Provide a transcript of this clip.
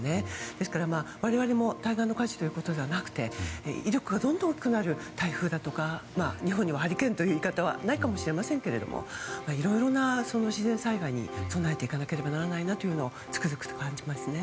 ですから、我々も対岸の火事ではなくて威力がどんどん大きくなる台風だとか日本にはハリケーンという言い方はないかもしれませんがいろいろな自然災害に備えていかなければならないとつくづくと感じますね。